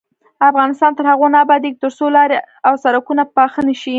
افغانستان تر هغو نه ابادیږي، ترڅو لارې او سرکونه پاخه نشي.